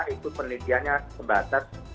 itu penelitiannya sebatas